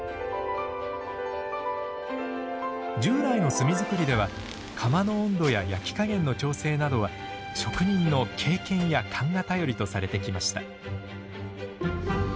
従来の炭づくりでは窯の温度や焼き加減の調整などは職人の経験や勘が頼りとされてきました。